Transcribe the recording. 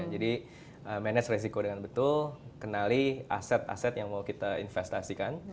jadi manage risiko dengan betul kenali aset aset yang mau kita investasikan